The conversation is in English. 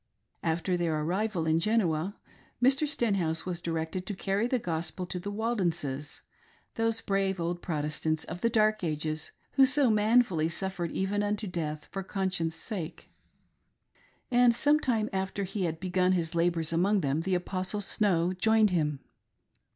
After their arrival in Genoa, Mr. Stenhouse was directed to carry the gospel to the Waldenses — those brave old Protestants of the dark ages, who so manfully suffered, even unto death, for conscience sake ; and some time after he had begun his labors among them, the Apostle Snow joined him.